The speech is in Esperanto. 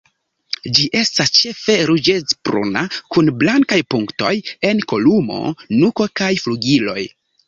Ĝi estas ĉefe ruĝecbruna kun blankaj punktoj en kolumo, nuko kaj flugiloj.